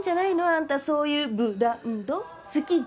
あんたそういうブランド好きじゃん？